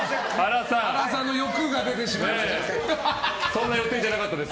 はらさんの欲が出てしまいました。